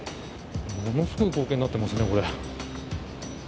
ものすごい光景になっていますね、これ。